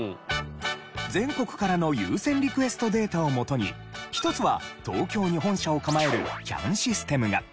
全国からの有線リクエストデータをもとに一つは東京に本社を構えるキャンシステムが。